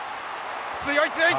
強い強い！